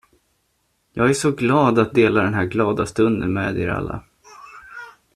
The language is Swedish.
Jag är så glad att dela den här glada stunden med er alla.